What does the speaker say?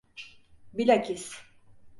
Bilakis.